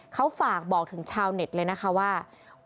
เขาฝากบอกถึงชาวเน็ตเลยนะคะว่า